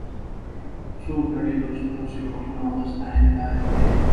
څوک د ډېرو سترو صفتونو او د ستاینې لایق دی.